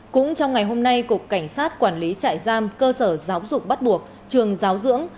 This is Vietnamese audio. cũng trong ngày hôm nay cục cảnh sát quản lý trại giam cơ sở giáo dục bắt buộc trường giáo dưỡng